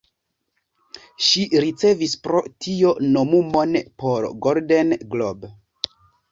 Ŝi ricevis pro tio nomumon por "Golden Globe".